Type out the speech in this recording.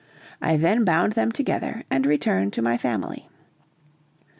I then bound them together and returned to my family.